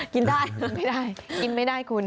กินได้ไม่ได้กินไม่ได้คุณ